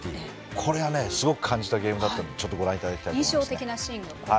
これは、すごい感じたゲームだったのでちょっとご覧いただきたいと思います。